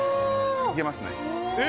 いけますね。